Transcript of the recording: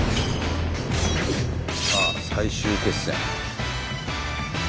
さあ最終決戦。